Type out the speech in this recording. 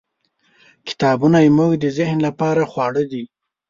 . کتابونه زموږ د ذهن لپاره خواړه دي.